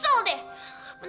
karena udah berani